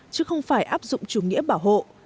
chứ không phải áp dụng chủ nghĩa bảo hộ